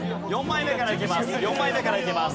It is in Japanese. ４枚目からいけます。